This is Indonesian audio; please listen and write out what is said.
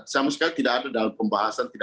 sama sekali tidak ada dalam pembahasan